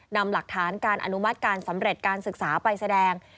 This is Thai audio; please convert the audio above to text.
นำหลักฐานการอนุมัติการสำเร็จการศึกษาไปแสดง